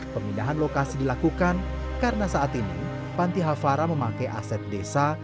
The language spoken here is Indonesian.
pemindahan lokasi dilakukan karena saat ini panti hafara memakai aset desa